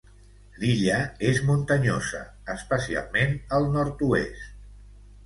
L'illa és muntanyosa, especialment al nord-oest.